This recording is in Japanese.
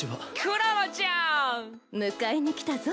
クラマちゃん！迎えに来たぞ。